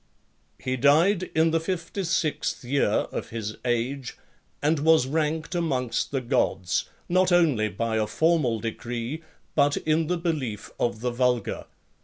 LXXXVIII. He died in the fifty sixth year of his age, and was ranked amongst the Gods, not only by a formal decree, but in the belief of the vulgar.